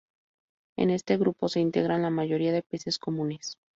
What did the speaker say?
En este grupo se integran la mayoría de peces comunes.